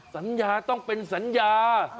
สัญญาต้องเป็นสัญญา